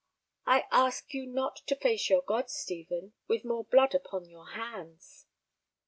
"I ask you not to face your God, Stephen, with more blood upon your hands."